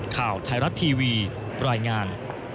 ข่าวไทยรัฐทีวีรายงาน